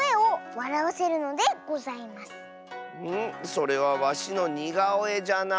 それはわしのにがおえじゃな。